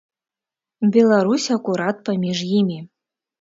Беларусь акурат паміж імі.